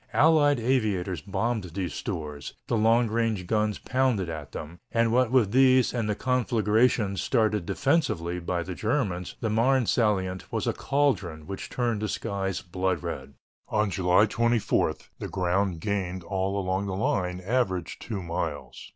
Allied aviators bombed these stores, the long range guns pounded at them, and what with these and the conflagrations started defensively by the Germans the Marne salient was a caldron which turned the skies blood red. On July 24 the ground gained all along the line averaged two miles.